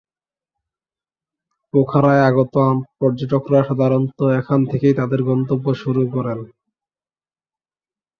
পোখারায় আগত পর্যটকরা সাধারণত এখান থেকেই তাদের গন্তব্য শুরু করে।